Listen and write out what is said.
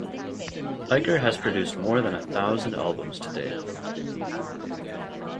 Eicher has produced more than a thousand albums to date.